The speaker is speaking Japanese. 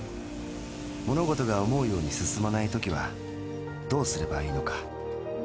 ものごとが思うように進まないときはどうすればいいのか。